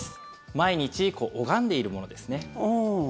毎日拝んでいるものですね。